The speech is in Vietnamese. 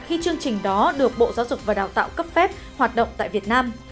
khi chương trình đó được bộ giáo dục và đào tạo cấp phép hoạt động tại việt nam